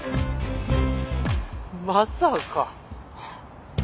まさか。